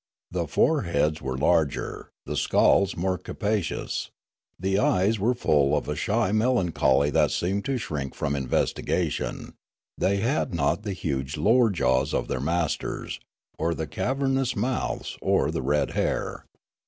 The foreheads were larger, .the skulls more capacious ; the eyes were full of a shy melancholy that seemed to shrink from investigation ; Broolyi 375 they had not the huge lower jaws of their masters, or the cavernous mouths, or the red hair.